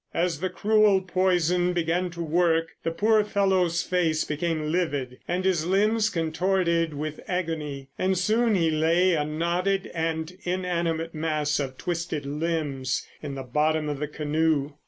As the cruel poison began to work, the poor fellow's face became livid and his limbs contorted with agony, and soon he lay a knotted and inanimate mass of twisted limbs in the bottom of the canoe.